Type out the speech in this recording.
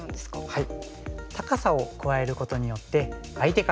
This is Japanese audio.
はい。